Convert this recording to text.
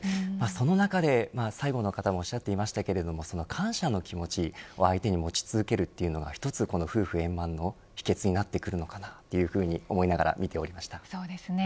その中で最後の方もおっしゃていましたけれども感謝の気持ちを相手に持ち続けるというのが一つ夫婦円満の秘けつになってくるのかなというふうにそうですね。